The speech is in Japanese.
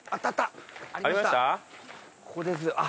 ここです。